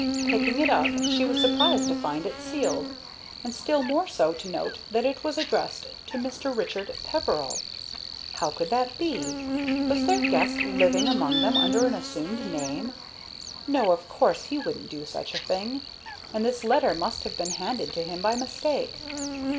Picking it up, she was surprised to find it sealed, and still more so to note that it was addressed to Mr. Richard Peveril. How could that be? Was their guest living among them under an assumed name? No, of course he wouldn't do such a thing; and this letter must have been handed to him by mistake.